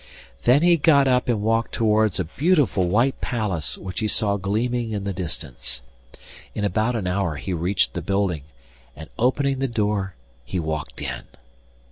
Then he got up and walked towards a beautiful white palace which he saw gleaming in the distance. In about an hour he reached the building, and opening the door he walked in.